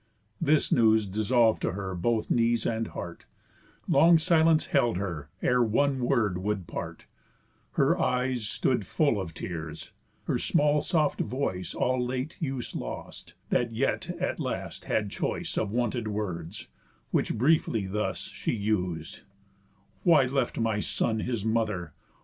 This news dissolv'd to her both knees and heart, Long silence held her ere one word would part, Her eyes stood full of tears, her small soft voice All late use lost; that yet at last had choice Of wonted words, which briefly thus she us'd: "Why left my son his mother?